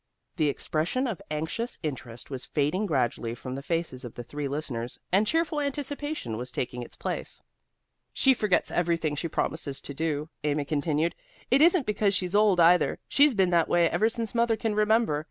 The expression of anxious interest was fading gradually from the faces of the three listeners, and cheerful anticipation was taking its place. "She forgets everything she promises to do," Amy continued. "It isn't because she's old, either. She's been that way ever since mother can remember.